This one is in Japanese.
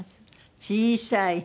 小さい！